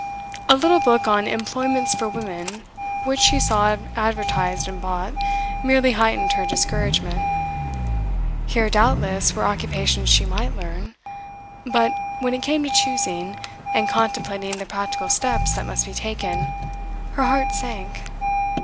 A little book on 'employments for women,' which she saw advertised and bought, merely heightened her discouragement. Here, doubtless, were occupations she might learn; but, when it came to choosing, and contemplating the practical steps that must be taken, her heart sank.